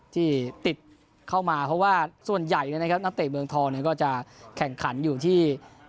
ที่ติดเข้ามาเพราะว่าส่วนใหญ่นะครับนักเตะเมืองทองก็จะแข่งขันอยู่ที่